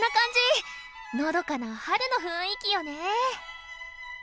のどかな春の雰囲気よね。